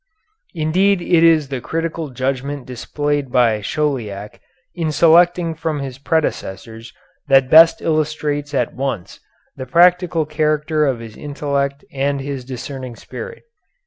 Indeed it is the critical judgment displayed by Chauliac in selecting from his predecessors that best illustrates at once the practical character of his intellect and his discerning spirit.